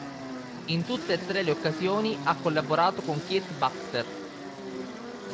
In tutte e tre le occasioni ha collaborato con Kirk Baxter.